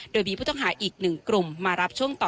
โดยมีผู้ต้องหาอีก๑กลุ่มมารับช่วงต่อ